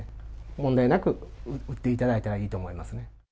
問題なく打っていただいたらいいと思いますね。